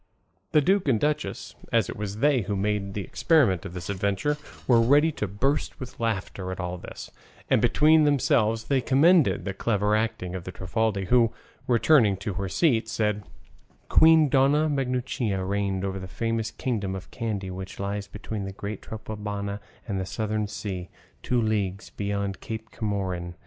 The duke and duchess, as it was they who had made the experiment of this adventure, were ready to burst with laughter at all this, and between themselves they commended the clever acting of the Trifaldi, who, returning to her seat, said, "Queen Dona Maguncia reigned over the famous kingdom of Kandy, which lies between the great Trapobana and the Southern Sea, two leagues beyond Cape Comorin.